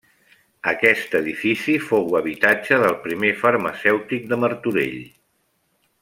Aquest edifici fou habitatge del primer farmacèutic de Martorell.